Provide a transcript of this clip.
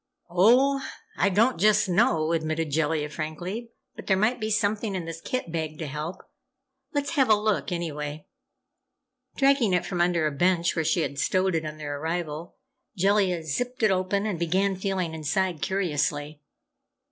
"Oh, I don't just know," admitted Jellia, frankly. "But there might be something in this kit bag to help! Let's have a look, anyway." Dragging it from under a bench where she had stowed it on their arrival, Jellia zipped it open and began feeling inside, curiously.